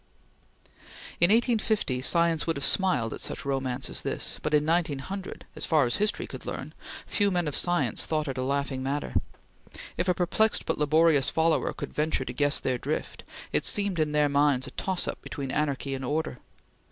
In 1850, science would have smiled at such a romance as this, but, in 1900, as far as history could learn, few men of science thought it a laughing matter. If a perplexed but laborious follower could venture to guess their drift, it seemed in their minds a toss up between anarchy and order.